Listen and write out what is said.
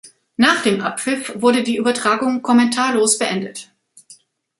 Nach dem Abpfiff wurde die Übertragung kommentarlos beendet.